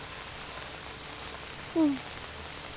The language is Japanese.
うん。